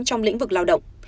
trong lĩnh vực lao động